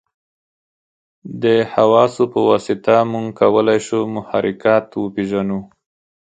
د حواسو په واسطه موږ کولای شو محرکات وپېژنو.